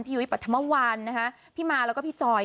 พี่อุ๊ยปัธมวันพี่มาแล้วก็พี่จอย